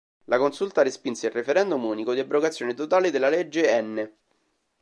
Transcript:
La Consulta respinse il referendum unico di abrogazione totale della legge n.